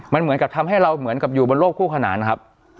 มันเหมือนกับทำให้เราเหมือนกับอยู่บนโลกคู่ขนานนะครับ